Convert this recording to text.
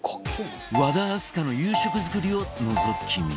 和田明日香の夕食作りをのぞき見